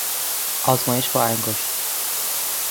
آزمایش با انگشت